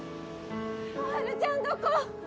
小春ちゃんどこ？